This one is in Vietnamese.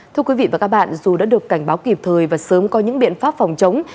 thưa quý vị và các bạn dù đã được cảnh báo kịp thời và sớm có những biện pháp phòng chống